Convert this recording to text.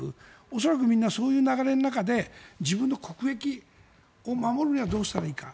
恐らく、みんなそういう流れの中で自分の国益を守るにはどうしたらいいか。